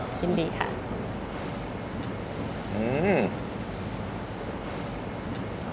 ยินดีค่ะ